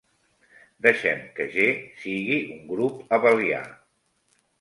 Deixem que "G" sigui un grup abelià.